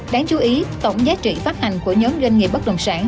đáng chú ý tổng giá trị phát hành của nhóm doanh nghiệp bất đồng sản